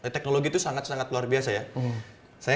teknologi itu sangat luar biasa